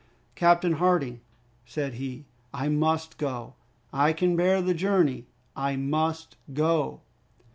"Captain Harding," said he, "I must go; I can bear the journey. I must go."